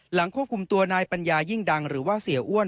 ควบคุมตัวนายปัญญายิ่งดังหรือว่าเสียอ้วน